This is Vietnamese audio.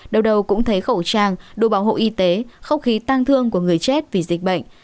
đầu đầu cũng thấy khẩu trang đồ bảo hộ y tế không khí tang thương của người chết vì dịch bệnh